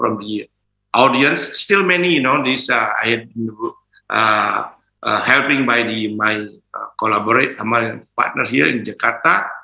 masih banyak yang membantu partner saya di jakarta